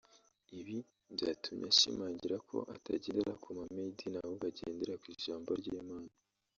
Ibi byatumye ashimangira ko atagendera ku mahame y’idini ahubwo agendera ku ijambo ry’Imana